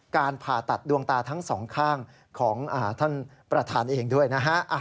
ผ่าตัดดวงตาทั้งสองข้างของท่านประธานเองด้วยนะฮะ